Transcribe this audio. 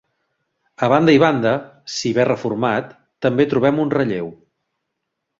A banda i banda, si bé reformat, també trobem un relleu.